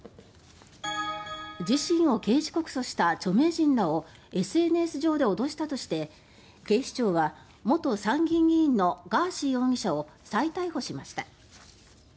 自身を刑事告訴した著名人らをＳＮＳ上で脅したとして警視庁は元参議院議員のガーシー容疑者を再逮捕しました。